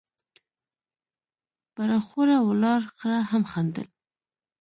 ، پر اخوره ولاړ خره هم خندل،